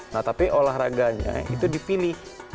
nah tapi olahraganya itu dipilih